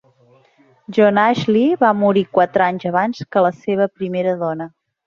John Ashley va morir quatre anys abans que la seva primera dona.